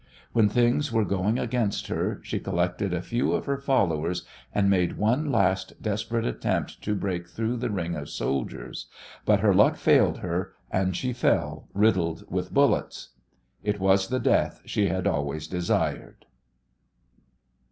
When things were going against her she collected a few of her followers, and made one last desperate attempt to break through the ring of soldiers, but her luck failed her, and she fell riddled with bullets. It was the death she had always desired.